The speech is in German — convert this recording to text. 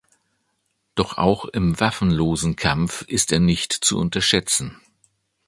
Doch auch im waffenlosen Kampf ist er nicht zu unterschätzen.